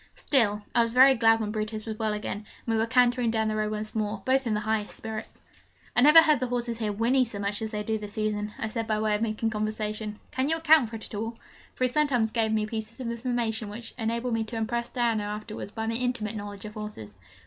Still, I was very glad when Brutus was well again, and we were cantering down the Row once more, both in the highest spirits. 'I never heard the horses here whinny so much as they do this season,' I said, by way of making conversation. 'Can you account for it at all?' For he sometimes gave me pieces of information which enabled me to impress Diana afterwards by my intimate knowledge of horses.